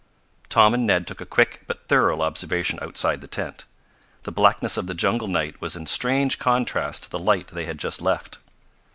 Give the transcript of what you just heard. Tom and Ned took a quick but thorough observation outside the tent. The blackness of the jungle night was in strange contrast to the light they had just left.